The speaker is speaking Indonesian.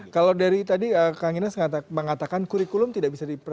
kalau dari tadi kang ines mengatakan kurikulum tidak bisa diperba